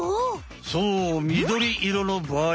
そうみどり色のばあい